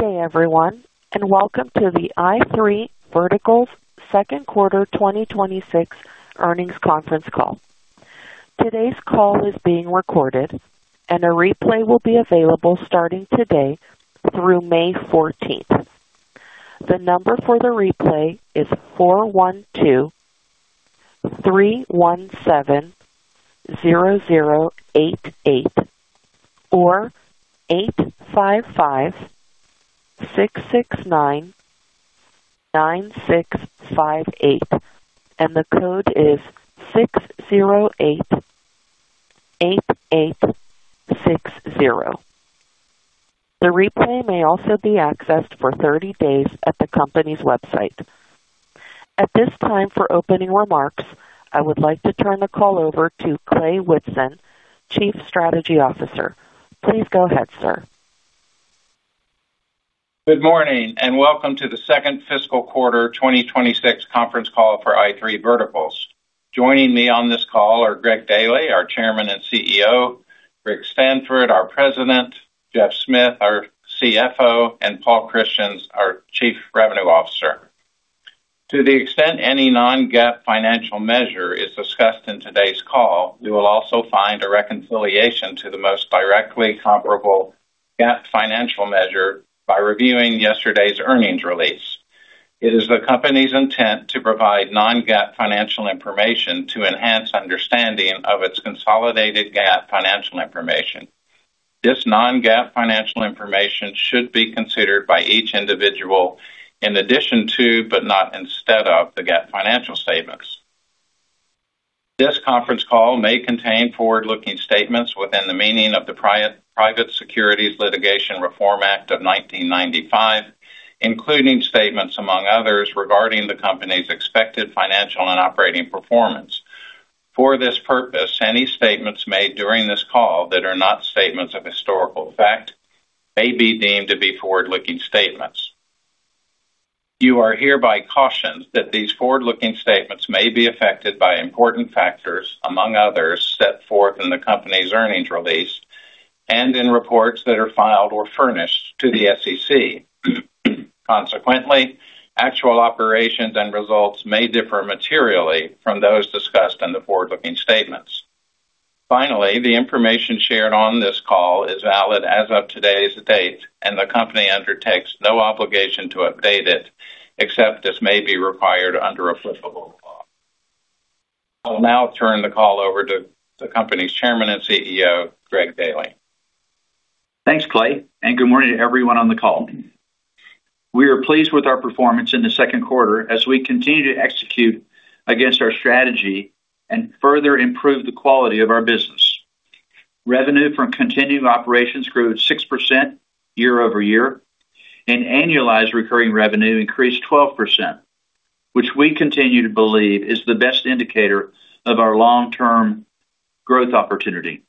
Good day, everyone, and welcome to the i3 Verticals second quarter 2026 earnings conference call. Today's call is being recorded, and a replay will be available starting today through May 14th. The number for the replay is 412-317-0088 or 855-669-9658, and the code is 6088860. The replay may also be accessed for 30 days at the company's website. At this time, for opening remarks, I would like to turn the call over to Clay Whitson, Chief Strategy Officer. Please go ahead, sir. Good morning, and welcome to the second fiscal quarter 2026 conference call for i3 Verticals. Joining me on this call are Greg Daily, our Chairman and CEO, Rick Stanford, our President, Geoff Smith, our CFO, and Paul Christians, our Chief Revenue Officer. To the extent any non-GAAP financial measure is discussed in today's call, you will also find a reconciliation to the most directly comparable GAAP financial measure by reviewing yesterday's earnings release. It is the company's intent to provide non-GAAP financial information to enhance understanding of its consolidated GAAP financial information. This non-GAAP financial information should be considered by each individual in addition to, but not instead of, the GAAP financial statements. This conference call may contain forward-looking statements within the meaning of the Private Securities Litigation Reform Act of 1995, including statements, among others, regarding the company's expected financial and operating performance. For this purpose, any statements made during this call that are not statements of historical fact may be deemed to be forward-looking statements. You are hereby cautioned that these forward-looking statements may be affected by important factors, among others, set forth in the company's earnings release and in reports that are filed or furnished to the SEC. Consequently, actual operations and results may differ materially from those discussed in the forward-looking statements. Finally, the information shared on this call is valid as of today's date, and the company undertakes no obligation to update it, except as may be required under applicable law. I'll now turn the call over to the company's Chairman and CEO, Greg Daily. Thanks, Clay. Good morning to everyone on the call. We are pleased with our performance in the second quarter as we continue to execute against our strategy and further improve the quality of our business. Revenue from continuing operations grew 6% year-over-year, and annualized recurring revenue increased 12%, which we continue to believe is the best indicator of our long-term growth opportunity.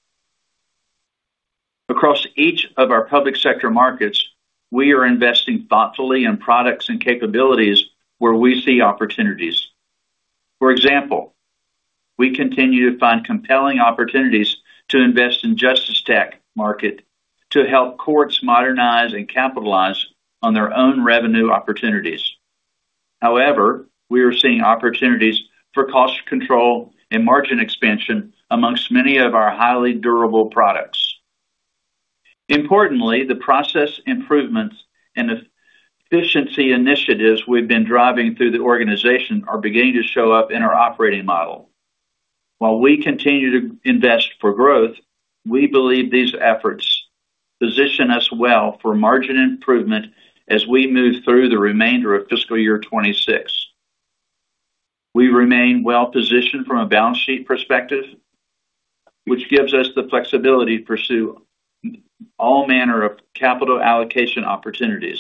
Across each of our public sector markets, we are investing thoughtfully in products and capabilities where we see opportunities. For example, we continue to find compelling opportunities to invest in JusticeTech market to help courts modernize and capitalize on their own revenue opportunities. However, we are seeing opportunities for cost control and margin expansion amongst many of our highly durable products. Importantly, the process improvements and efficiency initiatives we've been driving through the organization are beginning to show up in our operating model. While we continue to invest for growth, we believe these efforts position us well for margin improvement as we move through the remainder of FY 2026. We remain well-positioned from a balance sheet perspective, which gives us the flexibility to pursue all manner of capital allocation opportunities.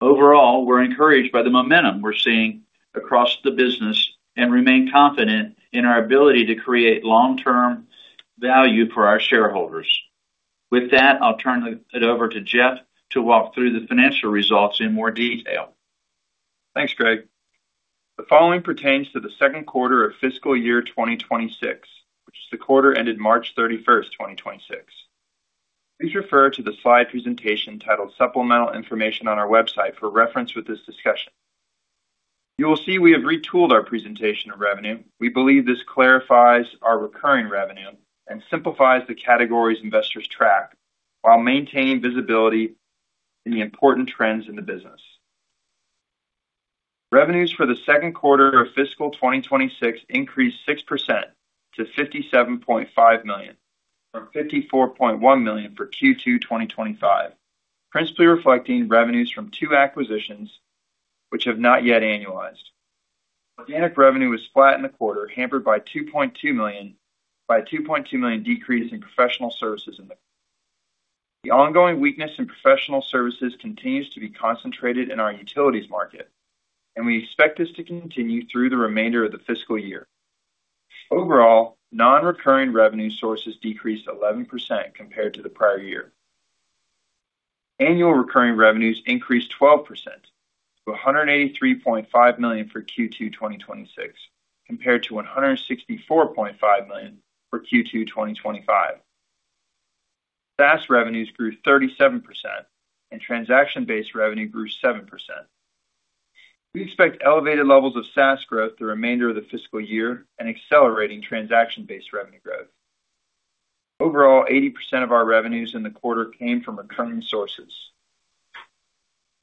Overall, we're encouraged by the momentum we're seeing across the business and remain confident in our ability to create long-term value for our shareholders. With that, I'll turn it over to Geoff to walk through the financial results in more detail. Thanks, Greg. The following pertains to the second quarter of FY 2026, which is the quarter ended March 31, 2026. Please refer to the slide presentation titled Supplemental Information on our website for reference with this discussion. You will see we have retooled our presentation of revenue. We believe this clarifies our recurring revenue and simplifies the categories investors track while maintaining visibility in the important trends in the business. Revenues for the second quarter of FY 2026 increased 6% to $57.5 million, from $54.1 million for Q2 2025, principally reflecting revenues from two acquisitions which have not yet annualized. Organic revenue was flat in the quarter, hampered by a $2.2 million decrease in professional services in the quarter. The ongoing weakness in professional services continues to be concentrated in our utilities market, and we expect this to continue through the remainder of the fiscal year. Overall, non-recurring revenue sources decreased 11% compared to the prior year. Annual recurring revenues increased 12%. $183.5 million for Q2 2026, compared to $164.5 million for Q2 2025. SaaS revenues grew 37% and transaction-based revenue grew 7%. We expect elevated levels of SaaS growth the remainder of the fiscal year and accelerating transaction-based revenue growth. Overall, 80% of our revenues in the quarter came from recurring sources.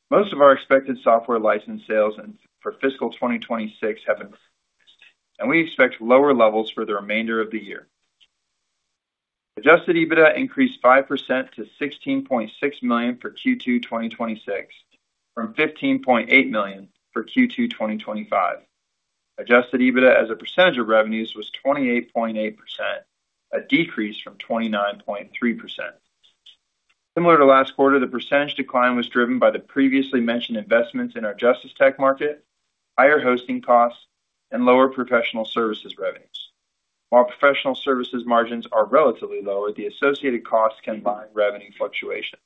Most of our expected software license sales for fiscal 2026 have been, and we expect lower levels for the remainder of the year. Adjusted EBITDA increased 5% to $16.6 million for Q2 2026, from $15.8 million for Q2 2025. Adjusted EBITDA as a percentage of revenues was 28.8%, a decrease from 29.3%. Similar to last quarter, the percentage decline was driven by the previously mentioned investments in our JusticeTech market, higher hosting costs, and lower professional services revenues. While professional services margins are relatively lower, the associated costs can buy revenue fluctuations.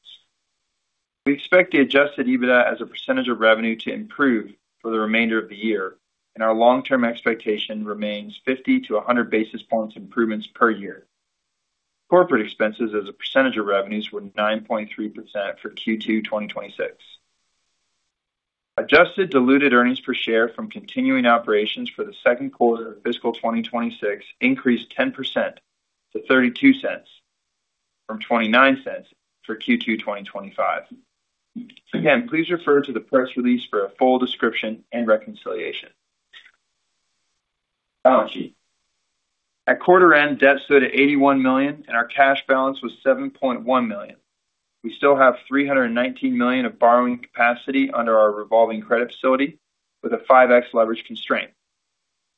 We expect the adjusted EBITDA as a percentage of revenue to improve for the remainder of the year, and our long-term expectation remains 50-100 basis points improvements per year. Corporate expenses as a percentage of revenues were 9.3% for Q2 2026. Adjusted diluted earnings per share from continuing operations for the second quarter of FY 2026 increased 10% to $0.32 from $0.29 for Q2 2025. Again, please refer to the press release for a full description and reconciliation. Balance sheet. At quarter end, debt stood at $81 million, and our cash balance was $7.1 million. We still have $319 million of borrowing capacity under our revolving credit facility with a 5x leverage constraint.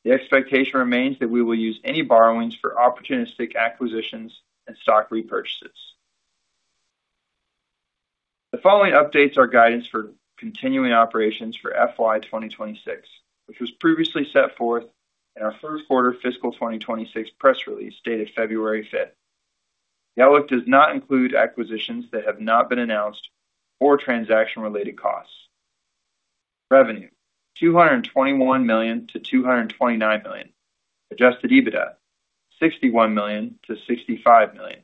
The expectation remains that we will use any borrowings for opportunistic acquisitions and stock repurchases. The following updates are guidance for continuing operations for FY 2026, which was previously set forth in our first quarter FY 2026 press release dated February fifth. The outlook does not include acquisitions that have not been announced or transaction-related costs. Revenue, $221-229 million. Adjusted EBITDA, $61-65 million.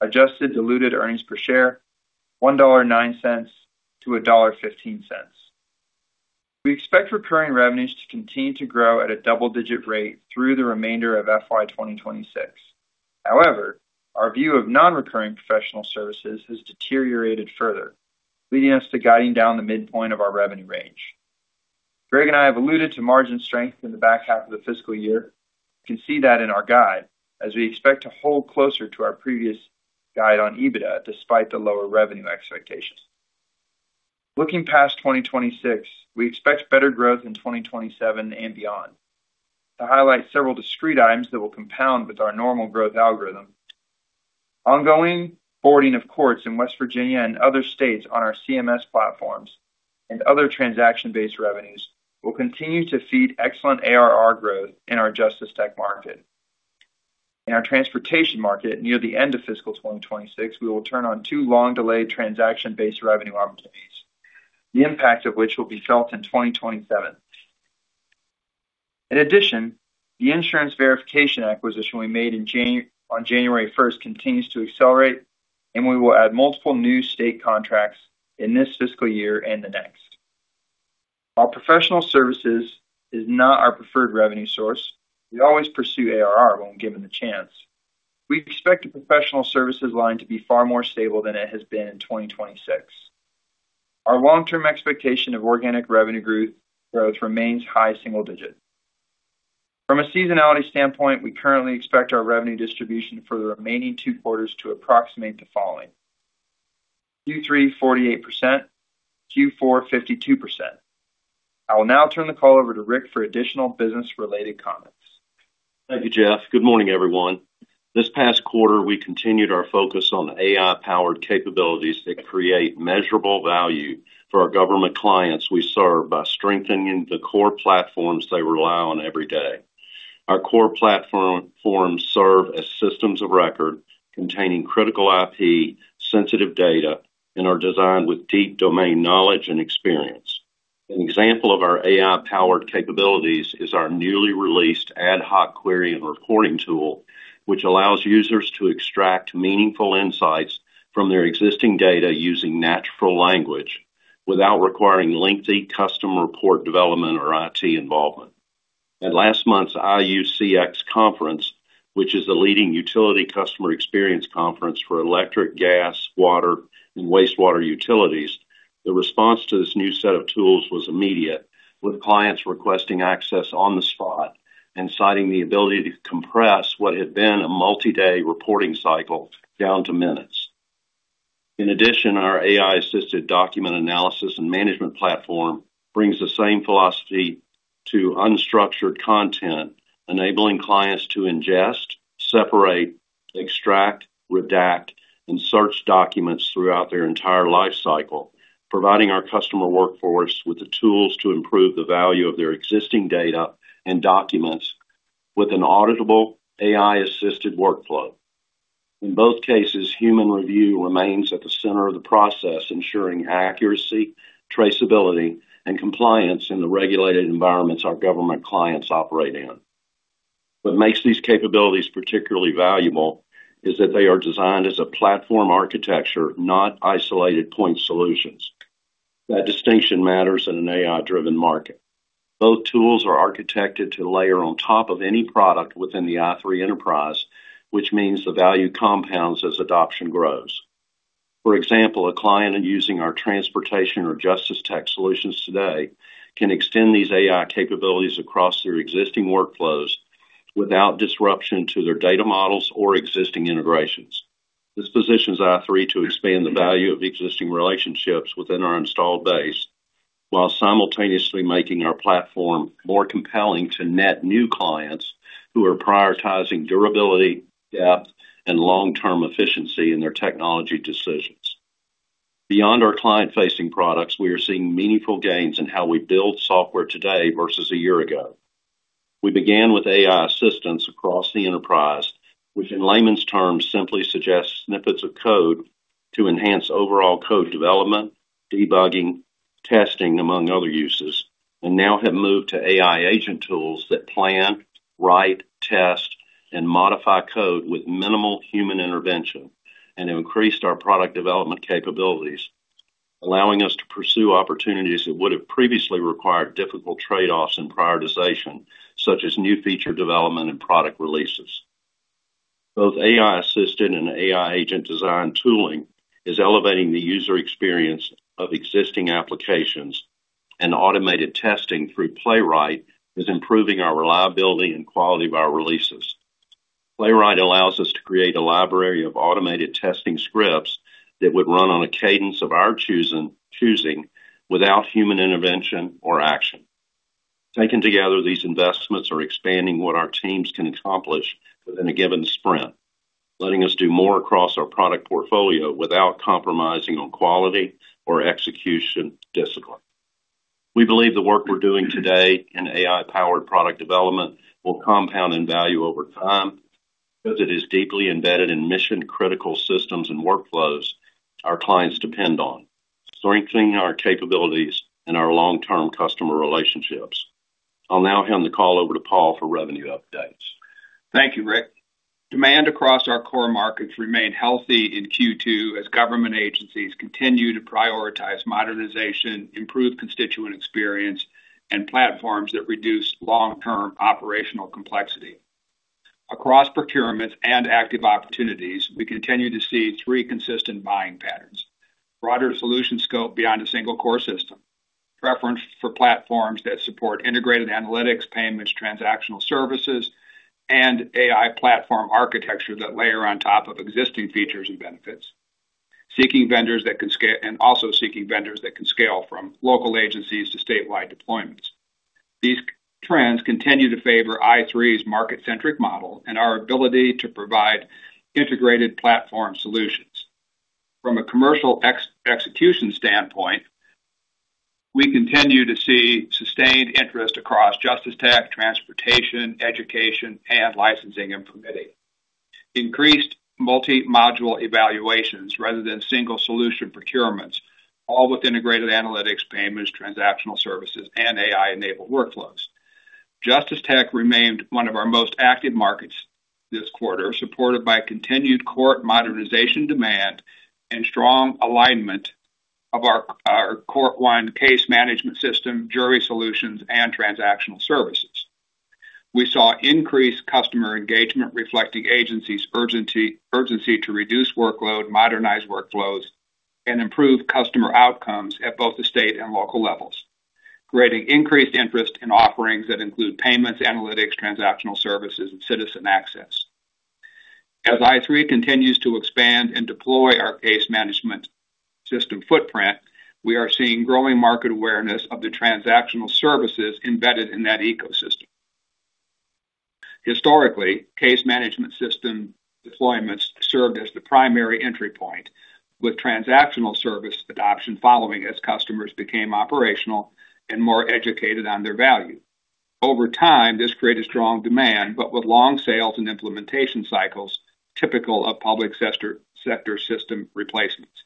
Adjusted diluted earnings per share, $1.09-1.15. We expect recurring revenues to continue to grow at a double-digit rate through the remainder of FY 2026. However, our view of non-recurring professional services has deteriorated further, leading us to guiding down the midpoint of our revenue range. Greg and I have alluded to margin strength in the back half of the fiscal year. You can see that in our guide as we expect to hold closer to our previous guide on EBITDA despite the lower revenue expectations. Looking past 2026, we expect better growth in 2027 and beyond. To highlight several discrete items that will compound with our normal growth algorithm, ongoing boarding of courts in West Virginia and other states on our CMS platforms and other transaction-based revenues will continue to feed excellent ARR growth in our JusticeTech market. In our transportation market, near the end of FY 2026, we will turn on two long-delayed transaction-based revenue opportunities, the impact of which will be felt in 2027. In addition, the insurance verification acquisition we made on January first continues to accelerate, and we will add multiple new state contracts in this fiscal year and the next. While professional services is not our preferred revenue source, we always pursue ARR when given the chance. We expect the professional services line to be far more stable than it has been in 2026. Our long-term expectation of organic revenue growth remains high single digit. From a seasonality standpoint, we currently expect our revenue distribution for the remaining two quarters to approximate the following: Q3 48%, Q4 52%. I will now turn the call over to Rick for additional business-related comments. Thank you, Geoff. Good morning, everyone. This past quarter, we continued our focus on AI-powered capabilities that create measurable value for our government clients we serve by strengthening the core platforms they rely on every day. Our core platforms serve as systems of record containing critical IP, sensitive data, and are designed with deep domain knowledge and experience. An example of our AI-powered capabilities is our newly released ad hoc query and reporting tool, which allows users to extract meaningful insights from their existing data using natural language without requiring lengthy custom report development or IT involvement. At last month's IUCX Conference, which is the leading utility customer experience conference for electric, gas, water, and wastewater utilities, the response to this new set of tools was immediate, with clients requesting access on the spot and citing the ability to compress what had been a multi-day reporting cycle down to minutes. In addition, our AI-assisted document analysis and management platform brings the same philosophy to unstructured content, enabling clients to ingest, separate, extract, redact, and search documents throughout their entire life cycle, providing our customer workforce with the tools to improve the value of their existing data and documents with an auditable AI-assisted workflow. In both cases, human review remains at the center of the process, ensuring accuracy, traceability, and compliance in the regulated environments our government clients operate in. What makes these capabilities particularly valuable is that they are designed as a platform architecture, not isolated point solutions. That distinction matters in an AI-driven market. Both tools are architected to layer on top of any product within the i3 enterprise, which means the value compounds as adoption grows. For example, a client using our transportation or JusticeTech solutions today can extend these AI capabilities across their existing workflows without disruption to their data models or existing integrations. This positions i3 to expand the value of existing relationships within our installed base, while simultaneously making our platform more compelling to net new clients who are prioritizing durability, depth, and long-term efficiency in their technology decisions. Beyond our client-facing products, we are seeing meaningful gains in how we build software today versus a year ago. We began with AI assistance across the enterprise, which in layman's terms simply suggests snippets of code to enhance overall code development, debugging, testing, among other uses, and now have moved to AI agent tools that plan, write, test, and modify code with minimal human intervention, and increased our product development capabilities, allowing us to pursue opportunities that would have previously required difficult trade-offs and prioritization, such as new feature development and product releases. Both AI-assisted and AI agent design tooling is elevating the user experience of existing applications, and automated testing through Playwright is improving our reliability and quality of our releases. Playwright allows us to create a library of automated testing scripts that would run on a cadence of our choosing without human intervention or action. Taken together, these investments are expanding what our teams can accomplish within a given sprint, letting us do more across our product portfolio without compromising on quality or execution discipline. We believe the work we're doing today in AI-powered product development will compound in value over time because it is deeply embedded in mission-critical systems and workflows our clients depend on, strengthening our capabilities and our long-term customer relationships. I'll now hand the call over to Paul for revenue updates. Thank you, Rick. Demand across our core markets remained healthy in Q2 as government agencies continue to prioritize modernization, improved constituent experience, and platforms that reduce long-term operational complexity. Across procurements and active opportunities, we continue to see three consistent buying patterns: broader solution scope beyond a single core system, preference for platforms that support integrated analytics, payments, transactional services, and AI platform architecture that layer on top of existing features and benefits. Seeking vendors that can scale from local agencies to statewide deployments. These trends continue to favor i3's market-centric model and our ability to provide integrated platform solutions. From a commercial execution standpoint, we continue to see sustained interest across JusticeTech, transportation, education, and licensing and permitting. Increased multi-module evaluations rather than single solution procurements, all with integrated analytics, payments, transactional services, and AI-enabled workflows. JusticeTech remained one of our most active markets this quarter, supported by continued court modernization demand and strong alignment of our court-wide case management system, jury solutions, and transactional services. We saw increased customer engagement reflecting agencies urgency to reduce workload, modernize workflows, and improve customer outcomes at both the state and local levels, creating increased interest in offerings that include payments, analytics, transactional services, and citizen access. As i3 continues to expand and deploy our case management system footprint, we are seeing growing market awareness of the transactional services embedded in that ecosystem. Historically, case management system deployments served as the primary entry point, with transactional service adoption following as customers became operational and more educated on their value. Over time, this created strong demand, but with long sales and implementation cycles typical of public sector system replacements.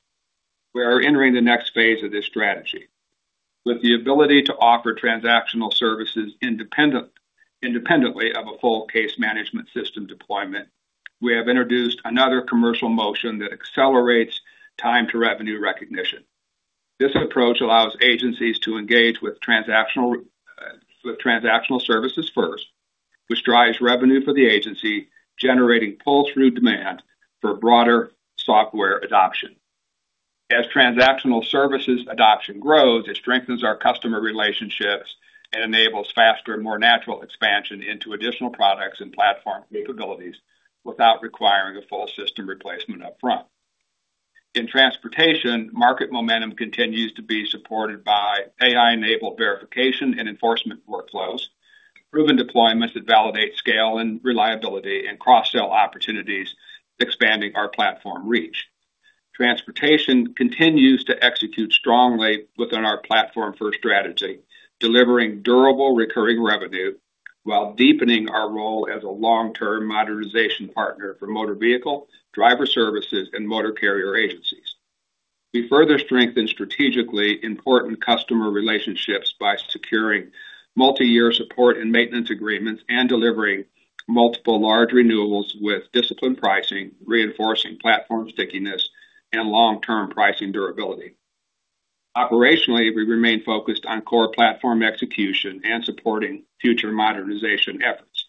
We are entering the next phase of this strategy. With the ability to offer transactional services independently of a full case management system deployment, we have introduced another commercial motion that accelerates time to revenue recognition. This approach allows agencies to engage with transactional services first, which drives revenue for the agency, generating pull-through demand for broader software adoption. As transactional services adoption grows, it strengthens our customer relationships and enables faster and more natural expansion into additional products and platform capabilities without requiring a full system replacement upfront. In transportation, market momentum continues to be supported by AI-enabled verification and enforcement workflows, proven deployments that validate scale and reliability, and cross-sell opportunities expanding our platform reach. Transportation continues to execute strongly within our platform-first strategy, delivering durable recurring revenue while deepening our role as a long-term modernization partner for motor vehicle, driver services, and motor carrier agencies. We further strengthen strategically important customer relationships by securing multi-year support and maintenance agreements and delivering multiple large renewals with disciplined pricing, reinforcing platform stickiness and long-term pricing durability. Operationally, we remain focused on core platform execution and supporting future modernization efforts.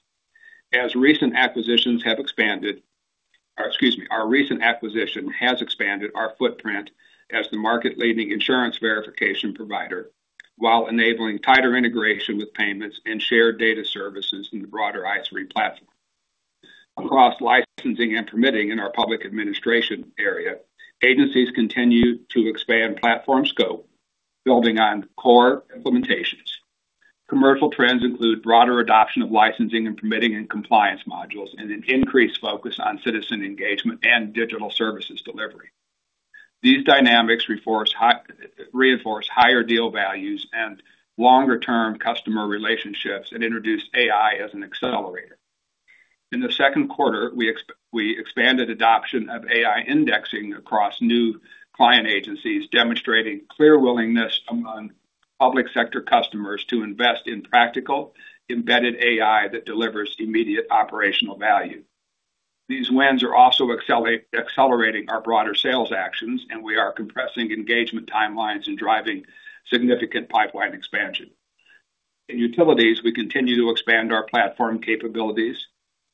Our recent acquisition has expanded our footprint as the market-leading insurance verification provider, while enabling tighter integration with payments and shared data services in the broader i3 platform. Across licensing and permitting in our public administration area, agencies continue to expand platform scope, building on core implementations. Commercial trends include broader adoption of licensing and permitting and compliance modules, and an increased focus on citizen engagement and digital services delivery. These dynamics reinforce higher deal values and longer-term customer relationships, and introduce AI as an accelerator. In the second quarter, we expanded adoption of AI indexing across new client agencies, demonstrating clear willingness among public sector customers to invest in practical embedded AI that delivers immediate operational value. These wins are also accelerating our broader sales actions. We are compressing engagement timelines and driving significant pipeline expansion. In utilities, we continue to expand our platform capabilities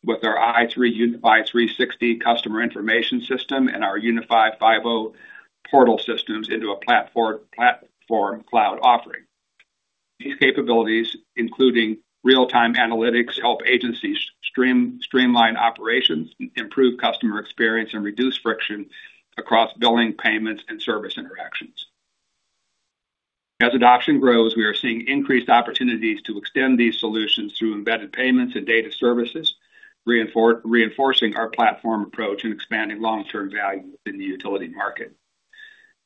with our i3 Unify 360 customer information system and our Unify 5.0 portal systems into a platform cloud offering. These capabilities, including real-time analytics, help agencies streamline operations, improve customer experience, and reduce friction across billing, payments, and service interactions. As adoption grows, we are seeing increased opportunities to extend these solutions through embedded payments and data services, reinforcing our platform approach and expanding long-term value within the utility market.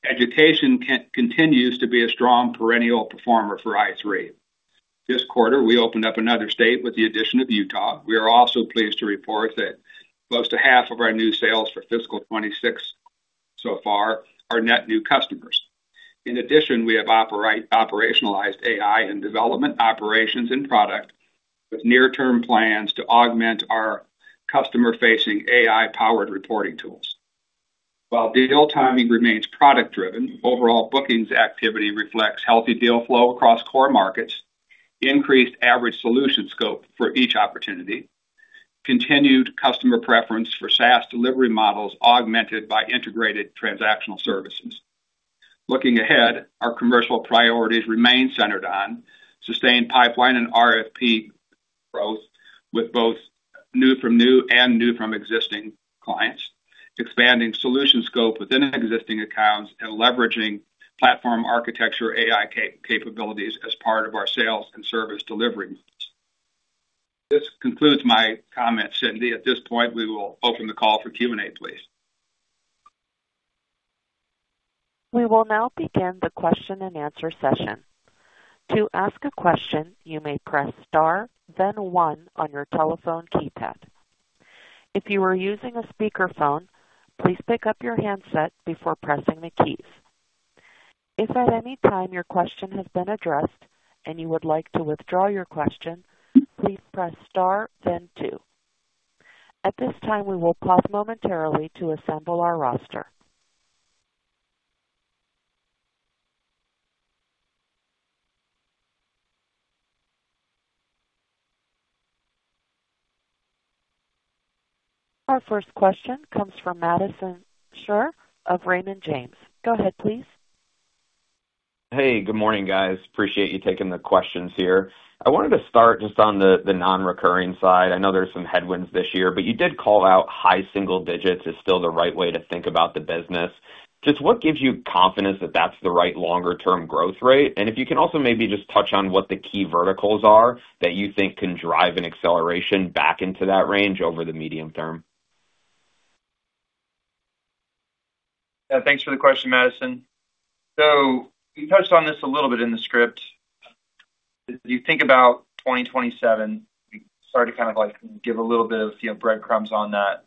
Education continues to be a strong perennial performer for i3. This quarter, we opened up another state with the addition of Utah. We are also pleased to report that close to half of our new sales for FY 2026 so far are net new customers. In addition, we have operationalized AI in development, operations, and product, with near-term plans to augment our customer-facing AI-powered reporting tools. While deal timing remains product-driven, overall bookings activity reflects healthy deal flow across core markets, increased average solution scope for each opportunity, continued customer preference for SaaS delivery models augmented by integrated transactional services. Looking ahead, our commercial priorities remain centered on sustained pipeline and RFP growth with both new from new and new from existing clients, expanding solution scope within existing accounts, and leveraging platform architecture AI capabilities as part of our sales and service delivery. This concludes my comments, Cindy. At this point, we will open the call for Q&A, please. We will now begin the question-and-answer session. To ask a question, you may press star then one on your telephone keypad. If you are using a speaker phone, please pick up your handset before pressing the key. If at anytime your question has been addressed and you would like to withdraw your question, please press star then two. At this time we will pause momentarily to assemble our roster. Our first question comes from Madison Suhr of Raymond James. Go ahead, please. Hey, good morning, guys. Appreciate you taking the questions here. I wanted to start just on the non-recurring side. I know there's some headwinds this year, but you did call out high single-digits as still the right way to think about the business. Just what gives you confidence that that's the right longer-term growth rate? If you can also maybe just touch on what the key verticals are that you think can drive an acceleration back into that range over the medium-term. Thanks for the question, Madison. We touched on this a little bit in the script. If you think about 2027, we started to kind of like give a little bit of, you know, breadcrumbs on that.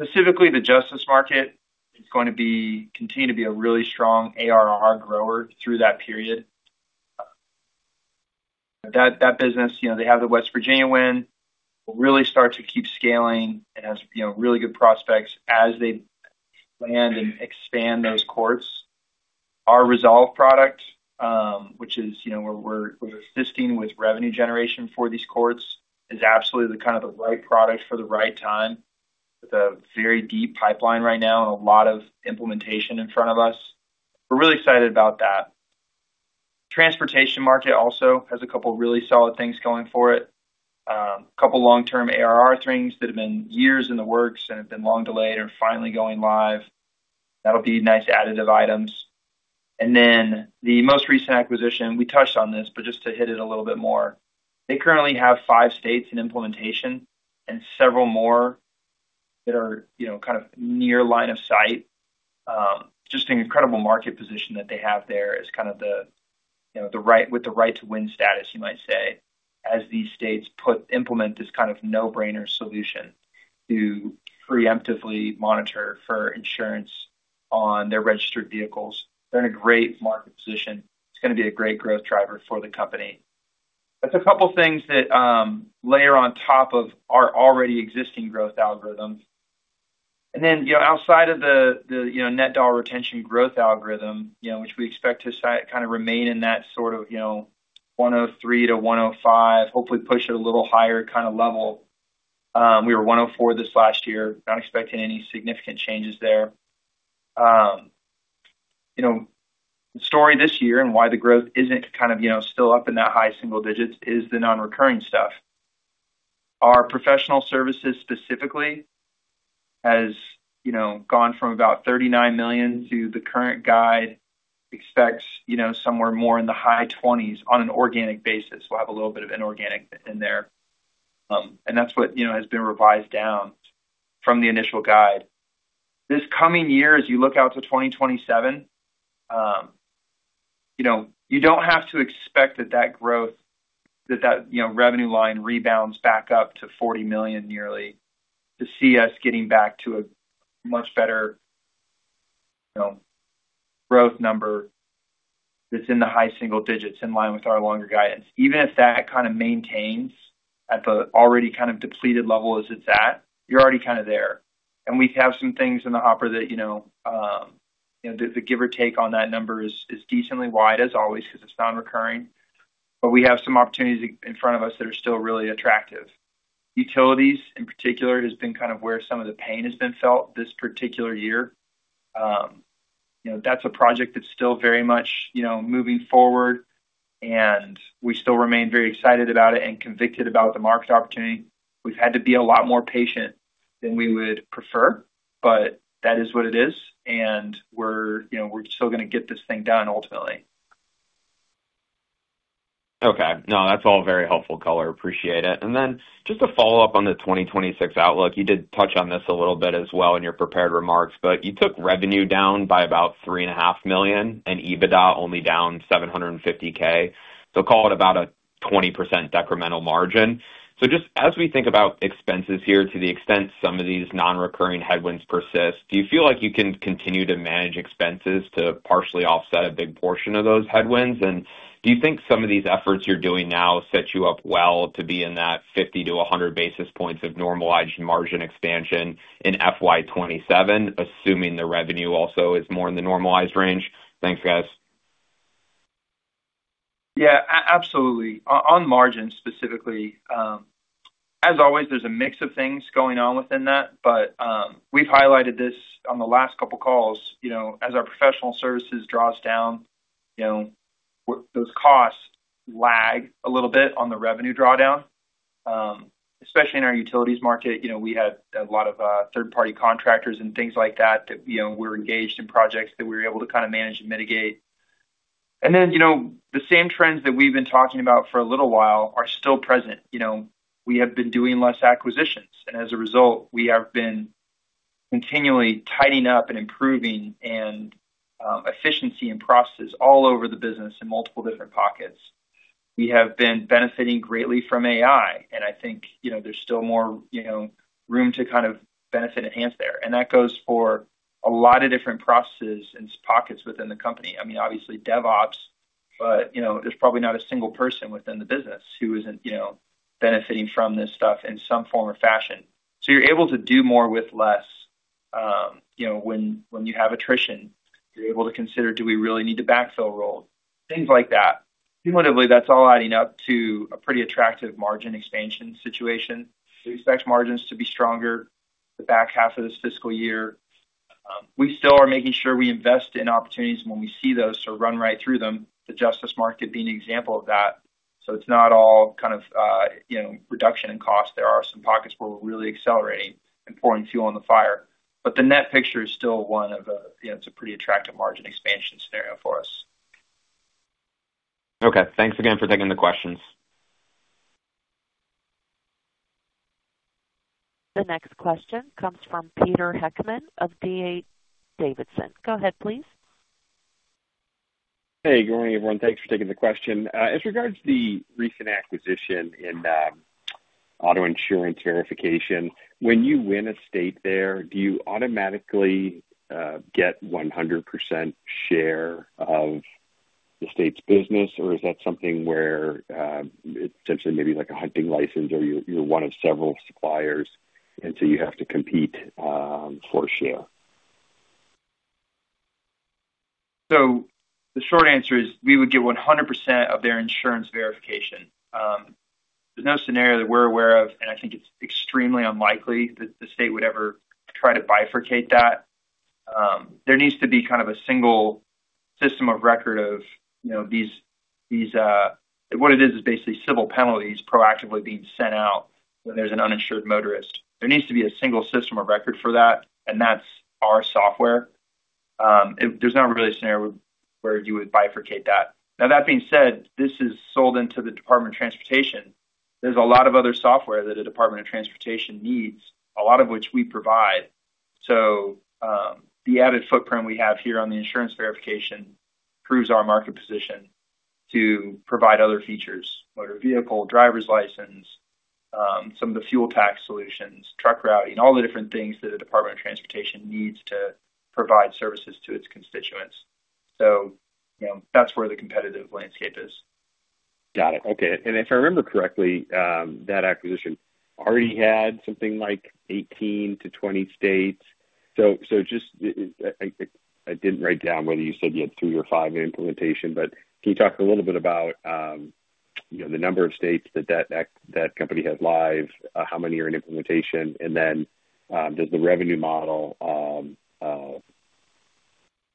Specifically, the justice market is going to continue to be a really strong ARR grower through that period. That business, you know, they have the West Virginia win, will really start to keep scaling and has, you know, really good prospects as they land and expand those courts. Our Resolv product, which is, you know, we're assisting with revenue generation for these courts, is absolutely the kind of the right product for the right time, with a very deep pipeline right now and a lot of implementation in front of us. We're really excited about that. Transportation market also has a couple really solid things going for it. A couple long-term ARR things that have been years in the works and have been long delayed are finally going live. That'll be nice additive items. The most recent acquisition, we touched on this, but just to hit it a little bit more. They currently have five states in implementation and several more that are, you know, kind of near line of sight. Just an incredible market position that they have there is kind of the, you know, with the right to win status, you might say, as these states implement this kind of no-brainer solution to preemptively monitor for insurance on their registered vehicles. They're in a great market position. It's gonna be a great growth driver for the company. That's a couple things that layer on top of our already existing growth algorithm. You know, outside of the, you know, net dollar retention growth algorithm, you know, which we expect to kind of remain in that sort of, you know, 103-105, hopefully push it a little higher kind of level. We were 104 this last year. Not expecting any significant changes there. You know, the story this year and why the growth isn't kind of, you know, still up in that high single digits is the non-recurring stuff. Our professional services specifically has, you know, gone from about $39 million to the current guide expects, you know, somewhere more in the high 20s on an organic basis. We'll have a little bit of inorganic in there. That's what, you know, has been revised down from the initial guide. This coming year, as you look out to 2027, you know, you don't have to expect that growth, that, you know, revenue line rebounds back up to $40 million nearly to see us getting back to a much better, you know, growth number that's in the high single digits in line with our longer guidance. Even if that kind of maintains at the already kind of depleted level as it's at, you're already kind of there. We have some things in the hopper that, you know, you know, the give or take on that number is decently wide as always because it's non-recurring. We have some opportunities in front of us that are still really attractive. Utilities, in particular, has been kind of where some of the pain has been felt this particular year. You know, that's a project that's still very much, you know, moving forward, and we still remain very excited about it and convicted about the market opportunity. We've had to be a lot more patient than we would prefer, but that is what it is. We're, you know, we're still gonna get this thing done ultimately. Okay. No, that's all very helpful color. Appreciate it. Just a follow-up on the 2026 outlook. You did touch on this a little bit as well in your prepared remarks, you took revenue down by about $3.5 million and EBITDA only down $750K. Call it about a 20% decremental margin. Just as we think about expenses here, to the extent some of these non-recurring headwinds persist, do you feel like you can continue to manage expenses to partially offset a big portion of those headwinds? Do you think some of these efforts you're doing now set you up well to be in that 50-100 basis points of normalized margin expansion in FY 2027, assuming the revenue also is more in the normalized range? Thanks, guys. Yeah, absolutely. On margin specifically, as always, there's a mix of things going on within that. We've highlighted this on the last couple calls, you know, as our professional services draws down, you know, those costs lag a little bit on the revenue drawdown. Especially in our utilities market, you know, we had a lot of third-party contractors and things like that, you know, we're engaged in projects that we were able to kind of manage and mitigate. The same trends that we've been talking about for a little while are still present. You know, we have been doing less acquisitions, and as a result, we have been continually tidying up and improving and efficiency and processes all over the business in multiple different pockets. We have been benefiting greatly from AI. I think, you know, there's still more, you know, room to kind of benefit enhance there. That goes for a lot of different processes and pockets within the company. I mean, obviously, DevOps, you know, there's probably not a single person within the business who isn't, you know, benefiting from this stuff in some form or fashion. You're able to do more with less, you know, when you have attrition. You're able to consider, do we really need to backfill roles? Things like that. Cumulatively, that's all adding up to a pretty attractive margin expansion situation. We expect margins to be stronger the back half of this fiscal year. We still are making sure we invest in opportunities when we see those, so run right through them, the justice market being an example of that. It's not all kind of, you know, reduction in cost. There are some pockets where we're really accelerating and pouring fuel on the fire. The net picture is still one of a, you know, it's a pretty attractive margin expansion scenario for us. Okay. Thanks again for taking the questions. The next question comes from Peter Heckmann of D.A. Davidson. Go ahead, please. Hey, good morning, everyone. Thanks for taking the question. As regards to the recent acquisition in auto insurance verification, when you win a state there, do you automatically get 100% share of the state's business, or is that something where essentially maybe like a hunting license or you're one of several suppliers, you have to compete for share? The short answer is we would get 100% of their insurance verification. There's no scenario that we're aware of, and I think it's extremely unlikely that the state would ever try to bifurcate that. There needs to be kind of a single system of record of, you know, These, what it is basically civil penalties proactively being sent out when there's an uninsured motorist. There needs to be a single system of record for that, and that's our software. There's not really a scenario where you would bifurcate that. Now that being said, this is sold into the Department of Transportation. There's a lot of other software that the Department of Transportation needs, a lot of which we provide. The added footprint we have here on the insurance verification proves our market position to provide other features. Motor vehicle, driver's license, some of the fuel tax solutions, truck routing, all the different things that the Department of Transportation needs to provide services to its constituents. You know, that's where the competitive landscape is. Got it. Okay. If I remember correctly, that acquisition already had something like 18-20 states. Just, I didn't write down whether you said you had three or five in implementation, but can you talk a little bit about, you know, the number of states that company has live, how many are in implementation? Then, does the revenue model,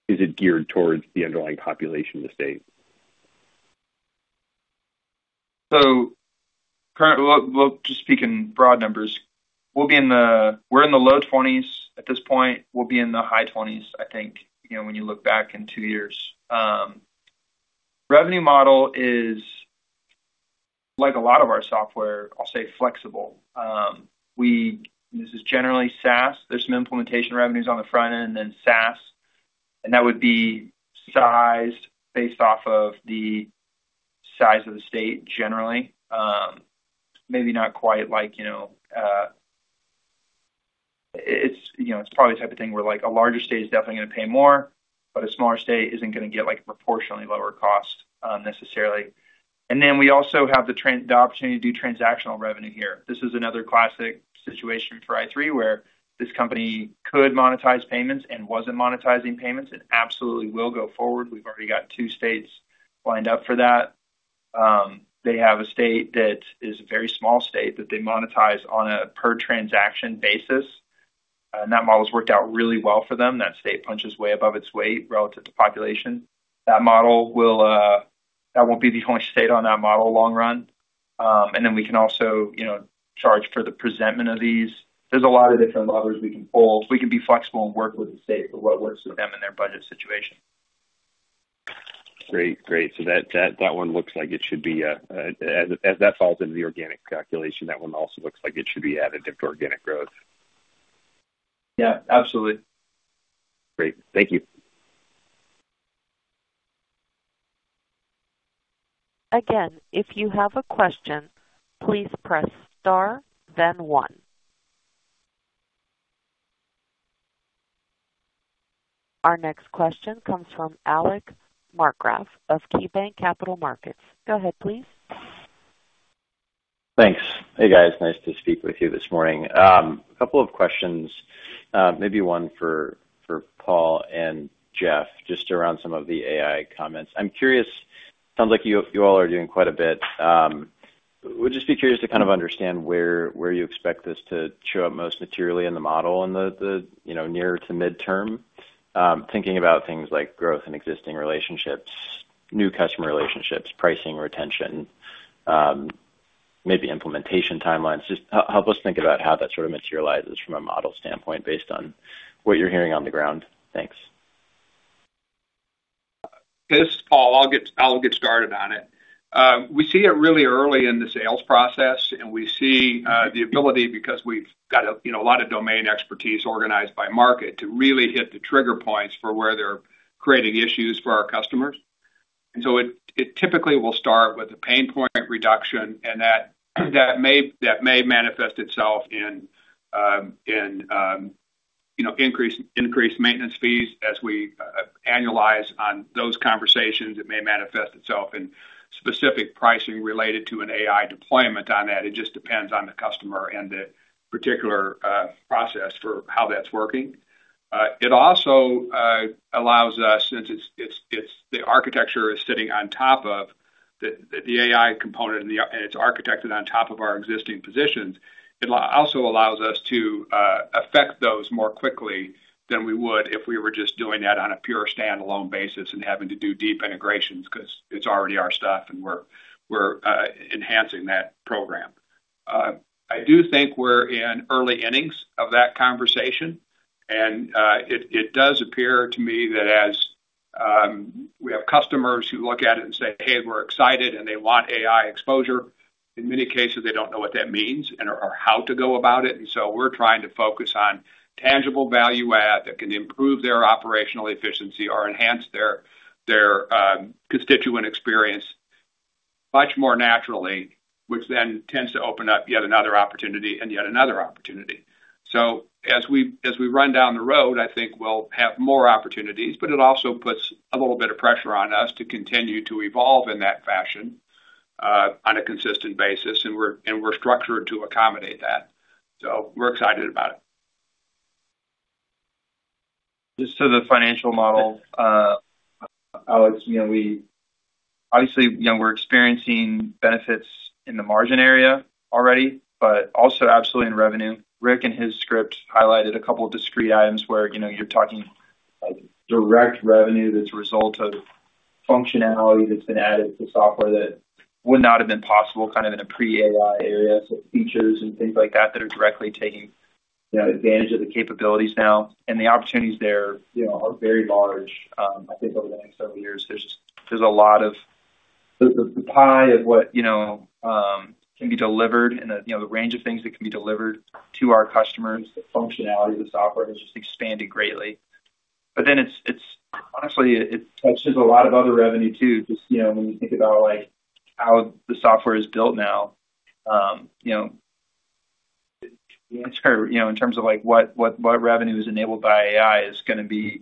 is it geared towards the underlying population of the state? We'll just speak in broad numbers. We're in the low twenties at this point. We'll be in the high twenties, I think, you know, when you look back in two years. Revenue model is like a lot of our software, I'll say flexible. This is generally SaaS. There's some implementation revenues on the front end, then SaaS, and that would be sized based off of the size of the state generally. Maybe not quite like, you know, it's, you know, it's probably the type of thing where like a larger state is definitely gonna pay more, but a smaller state isn't gonna get like proportionally lower cost, necessarily. Then we also have the opportunity to do transactional revenue here. This is another classic situation for i3, where this company could monetize payments and wasn't monetizing payments. It absolutely will go forward. We've already got two states lined up for that. They have a state that is a very small state that they monetize on a per transaction basis. That model's worked out really well for them. That state punches way above its weight relative to population. That model will, that won't be the only state on that model long run. Then we can also, you know, charge for the presentment of these. There's a lot of different levers we can pull. We can be flexible and work with the state for what works for them and their budget situation. Great. That one looks like it should be, as that falls into the organic calculation, that one also looks like it should be additive to organic growth. Yeah, absolutely. Great. Thank you. Again If you have a question, please press star then one. Our next question comes from Alex Markgraff of KeyBanc Capital Markets. Go ahead, please. Thanks. Hey, guys. Nice to speak with you this morning. A couple of questions, maybe one for Paul and Geoff, just around some of the AI comments. I'm curious, sounds like you all are doing quite a bit. Would just be curious to kind of understand where you expect this to show up most materially in the model in the, you know, near to midterm. Thinking about things like growth in existing relationships, new customer relationships, pricing, retention, maybe implementation timelines. Just help us think about how that sort of materializes from a model standpoint based on what you're hearing on the ground. Thanks. This is Paul. I'll get started on it. We see it really early in the sales process, and we see the ability because we've got a, you know, a lot of domain expertise organized by market to really hit the trigger points for where they're creating issues for our customers. It typically will start with a pain point reduction, and that may manifest itself in, you know, increased maintenance fees as we annualize on those conversations. It may manifest itself in specific pricing related to an AI deployment on that. It just depends on the customer and the particular process for how that's working. It also allows us, since it's the architecture is sitting on top of the AI component and it's architected on top of our existing positions. It also allows us to affect those more quickly than we would if we were just doing that on a pure standalone basis and having to do deep integrations because it's already our stuff and we're enhancing that program. I do think we're in early innings of that conversation, and it does appear to me that as we have customers who look at it and say, "Hey, we're excited," and they want AI exposure. In many cases, they don't know what that means and/or how to go about it. We're trying to focus on tangible value add that can improve their operational efficiency or enhance their constituent experience much more naturally, which then tends to open up yet another opportunity and yet another opportunity. As we run down the road, I think we'll have more opportunities, but it also puts a little bit of pressure on us to continue to evolve in that fashion on a consistent basis, and we're structured to accommodate that. We're excited about it. Just to the financial model, Alex, you know, we obviously, you know, we're experiencing benefits in the margin area already, but also absolutely in revenue. Rick in his script highlighted a couple of discrete items where, you know, like direct revenue that's a result of functionality that's been added to software that would not have been possible kind of in a pre-AI area. Features and things like that are directly taking, you know, advantage of the capabilities now. The opportunities there, you know, are very large. I think over the next several years, there's a lot of the pie of what, you know, can be delivered and the, you know, the range of things that can be delivered to our customers, the functionality of the software has just expanded greatly. It's honestly, it touches a lot of other revenue too. Just, you know, when you think about, like how the software is built now, you know, in terms of like what revenue is enabled by AI is gonna be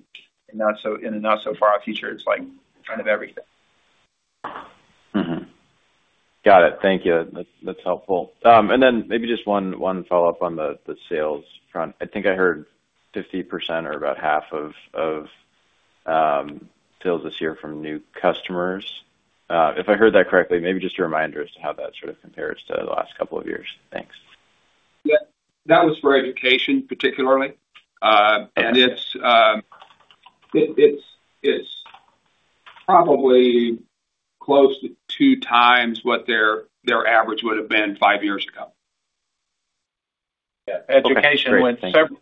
in a not so far future. It's like kind of everything. Got it. Thank you. That's helpful. Then maybe just one follow-up on the sales front. I think I heard 50% or about half of sales this year from new customers. If I heard that correctly, maybe just a reminder as to how that sort of compares to the last couple of years. Thanks. Yeah, that was for education particularly. It's probably close to 2x what their average would have been five years ago. Yeah. Education went several years. Okay, great. Thank you.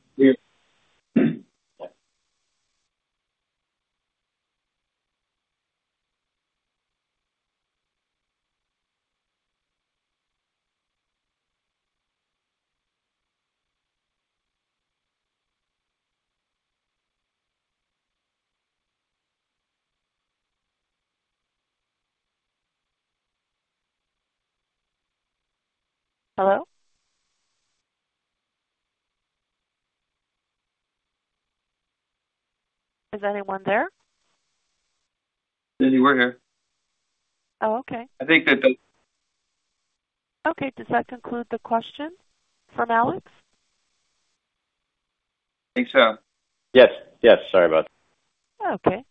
Hello? Is anyone there? Cindy, we're here. Oh, okay. I think that the- Okay. Does that conclude the question from Alex? I think so. Yes, yes. Sorry about that. Oh, okay.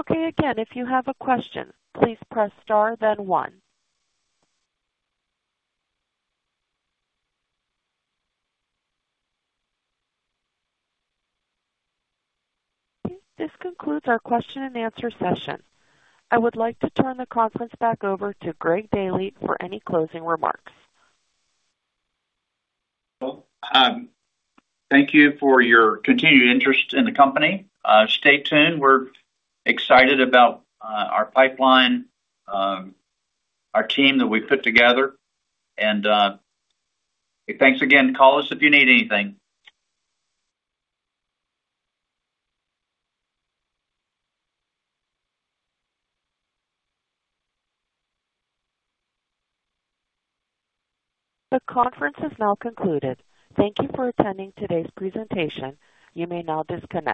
Okay. Again, if you have a question, please press star then one. This concludes our question and answer session. I would like to turn the conference back over to Greg Daily for any closing remarks. Well, thank you for your continued interest in the company. Stay tuned. We're excited about our pipeline, our team that we've put together, and thanks again. Call us if you need anything. The conference is now concluded. Thank you for attending today's presentation. You may now disconnect.